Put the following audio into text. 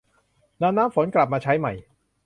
นำน้ำฝนกลับมาใช้ใหม่